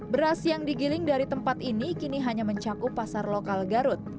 beras yang digiling dari tempat ini kini hanya mencakup pasar lokal garut